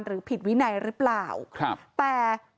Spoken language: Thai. หรือผิดวินัยหรือเปล่าแต่ครับ